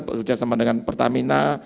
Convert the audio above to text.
bekerja sama dengan pertamina